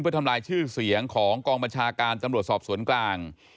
เพื่อทำลายชื่อเสียงของกองบัญชาการตำรวจสอบสวนกลาง